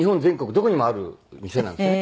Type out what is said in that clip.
どこにもある店なんですね。